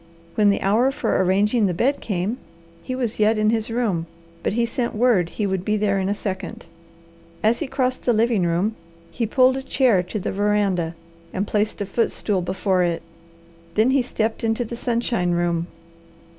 When the hour for arranging the bed came, he was yet in his room, but he sent word he would be there in a second. As he crossed the living room he pulled a chair to the veranda and placed a footstool before it. Then he stepped into the sunshine room.